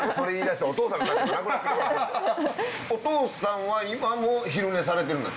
お父さんは今もう昼寝されてるんですか。